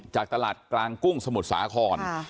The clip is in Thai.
จากตลาดกลางกุ้งสมุทรสาคร